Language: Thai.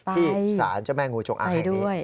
ที่สารเจ้าแม่งูจงอางแห่งนี้